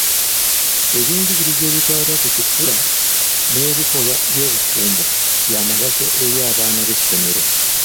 Ebyenjigiriza ebikwata ku kikula n'ebikolwa by'obufumbo bya mugaso eri abaana b'essomero.